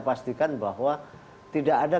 pastikan bahwa tidak ada